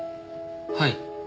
はい。